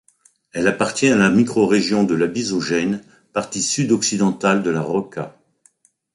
Elle appartient à la microrégion de la Bisogène, partie sud-occidentale de la Rocca.